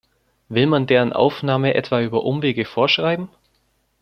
Will man deren Aufnahme etwa über Umwege vorschreiben?